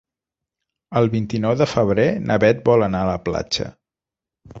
El vint-i-nou de febrer na Bet vol anar a la platja.